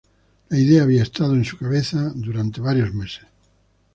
La idea había estado en su cabeza por varios meses.